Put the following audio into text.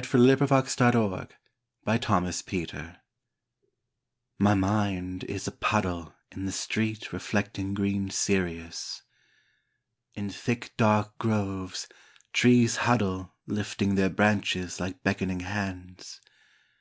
130 John Gould Fletcher IMPROMPTU My mind is a puddle in the street reflecting green Sirius; In thick dark groves trees huddle lifting their branches like beckoning hands.